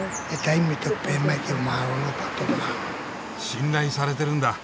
信頼されてるんだ。